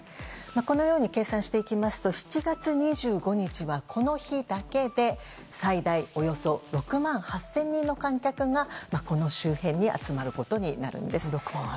このように計算していきますと７月２５日はこの日だけで最大およそ６万８０００人の観客がこの周辺に集まることになるんです。